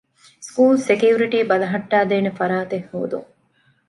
ސްކޫލްގެ ސެކިއުރިޓީ ބަލަހައްޓައިދޭނެ ފަރާތެއް ހޯދުން